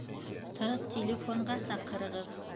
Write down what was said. ...-ты телефонға саҡырығыҙ